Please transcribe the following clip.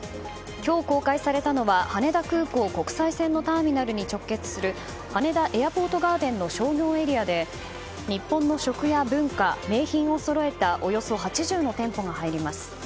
今日公開されたのは羽田空港国際線のターミナルに直結する羽田エアポートガーデンの商業エリアで日本の食や文化、名品をそろえたおよそ８０の店舗が入ります。